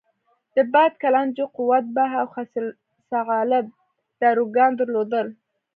د باد کلنجو، قوت باه او خصیه الصعالب داروګان درلودل.